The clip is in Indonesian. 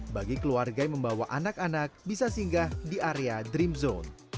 bagi keluarga yang membawa anak anak bisa singgah di area dream zone